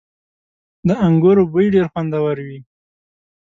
• د انګورو بوی ډېر خوندور وي.